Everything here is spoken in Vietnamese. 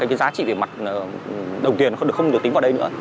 cái giá trị về mặt đồng tiền nó không được tính vào đây nữa